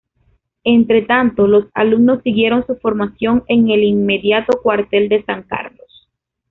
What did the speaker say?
Entre tanto, los alumnos siguieron su formación en el inmediato cuartel de San Carlos.